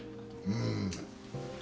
うん。